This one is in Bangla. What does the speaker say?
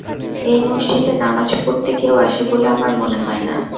এই মসজিদে নামাজ পড়তে কেউ আসে বলে আমার মনে হয় না।